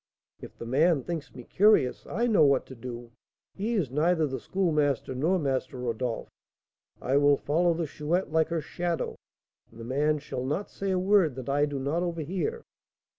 "If the man thinks me curious, I know what to do; he is neither the Schoolmaster nor Master Rodolph. I will follow the Chouette like her shadow, and the man shall not say a word that I do not overhear.